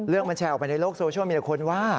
มันแชร์ออกไปในโลกโซเชียลมีแต่คนว่า